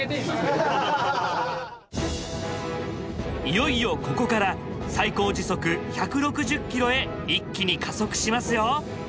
いよいよここから最高時速１６０キロへ一気に加速しますよ。